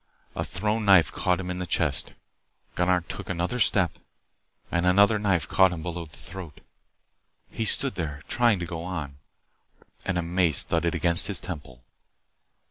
A thrown knife caught him in the chest. Gunnar took another step, and another knife caught him below the throat. He stood there, trying to go on, and a mace thudded against his temple.